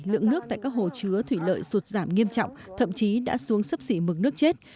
lượng nước tại các hồ chứa thủy lợi sụt giảm nghiêm trọng thậm chí đã xuống sấp xỉ mực nước chết